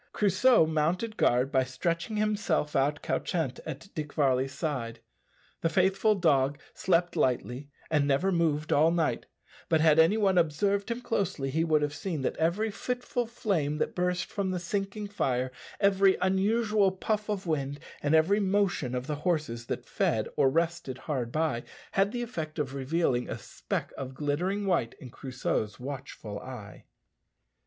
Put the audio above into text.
Crusoe mounted guard by stretching himself out couchant at Dick Varley's side. The faithful dog slept lightly, and never moved all night; but had any one observed him closely he would have seen that every fitful flame that burst from the sinking fire, every unusual puff of wind, and every motion of the horses that fed or rested hard by, had the effect of revealing a speck of glittering white in Crusoe's watchful eye.